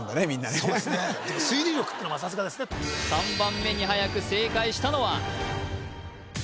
みんなねでも推理力ってのはさすがですね３番目にはやく正解したのは？